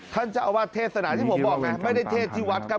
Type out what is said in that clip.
ท่านเจ้าอาวาสเทศนาที่ผมบอกนะไม่ได้เทศที่วัดครับ